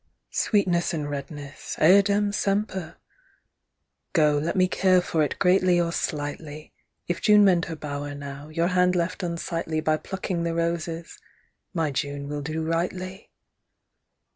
Sweetness and redness, Eadem semper! Go, let me care for it greatly or slightly! If June mend her bower now, your hand left unsightly By plucking the roses, my June will do rightly.